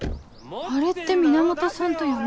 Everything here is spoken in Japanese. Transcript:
あれって源さんと山田さん？